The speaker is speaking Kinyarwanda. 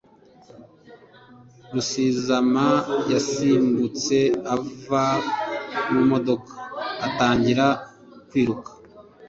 Rusizama yasimbutse ava mu modoka atangira kwiruka